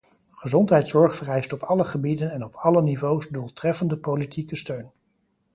Gezondheidszorg vereist op alle gebieden en op alle niveaus doeltreffende politieke steun.